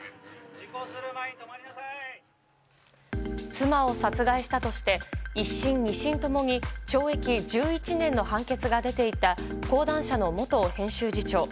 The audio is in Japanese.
妻を殺害したとして１審２審共に懲役１１年の判決が出ていた講談社の元編集次長。